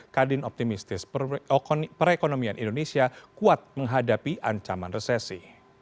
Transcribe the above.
kadin optimistis perekonomian indonesia kuat menghadapi ancaman resesi